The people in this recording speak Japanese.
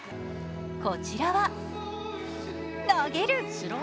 こちらは投げる！